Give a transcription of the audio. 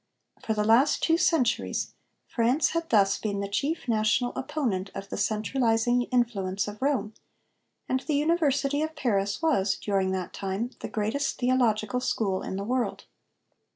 For the last two centuries France had thus been the chief national opponent of the centralising influence of Rome, and the University of Paris was, during that time, the greatest theological school in the world.